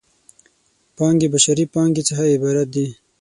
پانګې بشري پانګې څخه عبارت دی.